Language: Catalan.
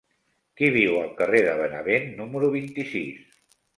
Qui viu al carrer de Benavent número vint-i-sis?